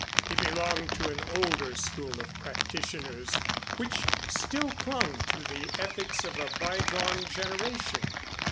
He belonged to an older school of practitioners which still clung to the ethics of a bygone generation.